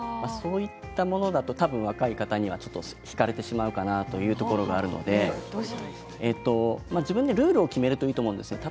そういったものだと若い方には引かれてしまうかなというところがあるので自分でルールを決めるといいと思います。